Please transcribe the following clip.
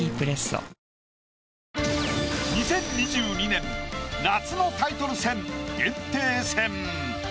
２０２２年夏のタイトル戦炎帝戦。